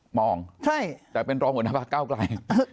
หมออองใช่แต่เป็นรองหัวหน้าภาคก้าวกลาย